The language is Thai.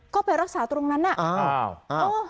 ก็ไปรักษาตรงนั้นอ่ะอ้าวอ้าว